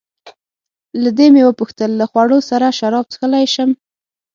له دې مې وپوښتل: له خوړو سره شراب څښلای شم؟